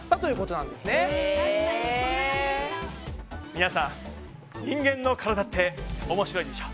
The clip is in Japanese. みなさん人間の体って面白いでしょ。